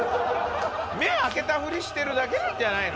目、開けたふりしてるだけなんじゃないの？